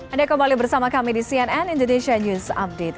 anda kembali bersama kami di cnn indonesia news update